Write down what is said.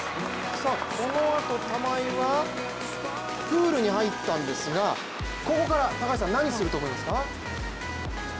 このあと、玉井はプールに入ったんですが、ここから、何すると思いますか？